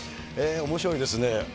おもしろいですね。